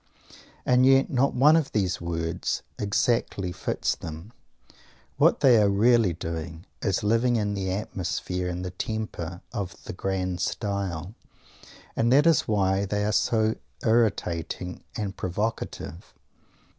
And yet not one of these words exactly fits them. What they are really doing is living in the atmosphere and the temper of "the grand style" and that is why they are so irritating and provocative!